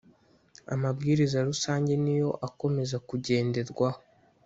Amabwiriza rusange niyo akomeza kugenderwaho